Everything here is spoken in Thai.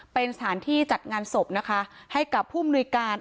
เป็นสถานที่จัดงานศพนะคะให้กับผู้มนุยการ